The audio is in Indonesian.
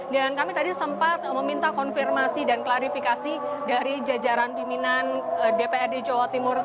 dan kami tadi sempat meminta konfirmasi dan klarifikasi dari jajaran piminan dprd jawa timur